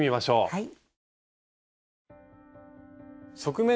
はい。